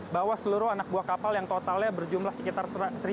bahwa seluruh anak buah kapal yang totalnya berjumlah sekitar satu